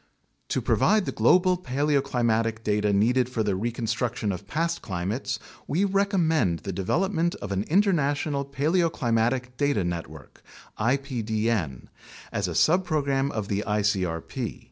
To provide the global paleoclimatic data needed for the recon struction of past climates, we recommend the development of an Inter national Paleoclimatic Data Network (ipdn) as a subprogram of the icrp.